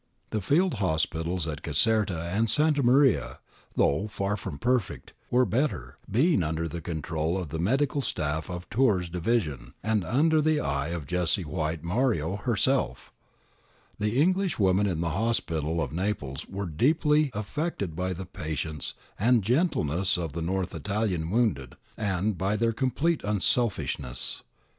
The field hospitals at Caserta and Santa Maria, though far from perfect, were better, being under the control of the medical staff of Tiirr's division, and under the eye of Jessie White Mario herself The English women in the hospitals of Naples were deeply affected by the patience and gentleness of the North Italian wounded, and by their complete unselfishness.